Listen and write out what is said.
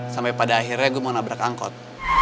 sampai pada akhirnya gue mau nabrak angkot